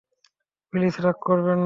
Please রাগ করবেন না।